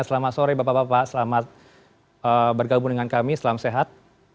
selamat sore bapak bapak selamat bergabung dengan kami selamat sehat